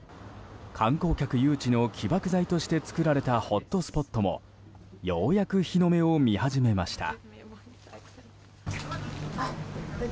観光客誘致の起爆剤として作られたホットスポットもようやく日の目を見始めました。